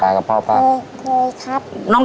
อยู่ด้วยเพื่อนด้วยจ้ะ